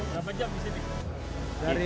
berapa jam disini